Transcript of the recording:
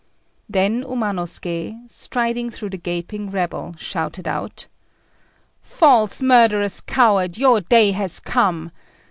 Then Umanosuké, striding through the gaping rabble, shouted out "False, murderous coward, your day has come!